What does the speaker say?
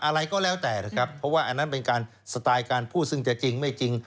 อะไรก็แล้วแต่นะครับเพราะว่าอันนั้นเป็นการสไตล์การพูดซึ่งจะจริงไม่จริง